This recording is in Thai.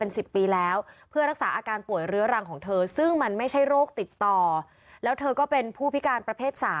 เป็น๑๐ปีแล้วเพื่อรักษาอาการป่วยเรื้อรังของเธอซึ่งมันไม่ใช่โรคติดต่อแล้วเธอก็เป็นผู้พิการประเภท๓